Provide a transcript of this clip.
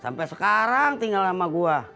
sampai sekarang tinggal sama gue